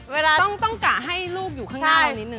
มันต้องกะให้ลูกอยู่ข้างหน้าลงนิดหนึ่ง